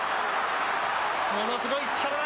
ものすごい力だ。